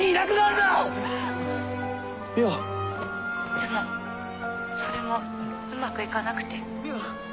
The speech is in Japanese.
でもそれもうまく行かなくて。